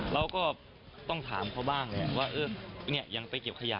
เราก็ต้องถามเขาบ้างแหละว่ายังไปเก็บขยะ